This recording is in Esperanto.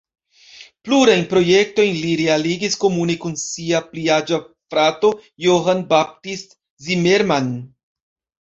Plurajn projektojn li realigis komune kun sia pli aĝa frato Johann Baptist Zimmermann.